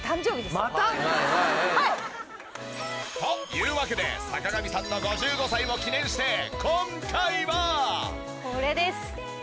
というわけで坂上さんの５５歳を記念して今回は！これです。